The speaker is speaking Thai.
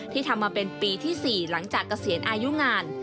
ทำมาเป็นปีที่๔หลังจากเกษียณอายุงาน